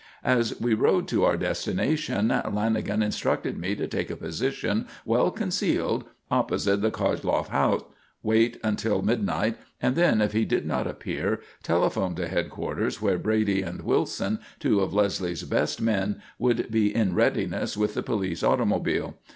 As we rode to our destination Lanagan instructed me to take a position, well concealed, opposite the Koshloff house, wait until midnight, and then if he did not appear, telephone to headquarters where Brady and Wilson, two of Leslie's best men, would be in readiness with the police automobile.